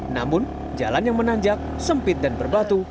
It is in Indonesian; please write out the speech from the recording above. namun jalan yang menanjak sempit dan berbatu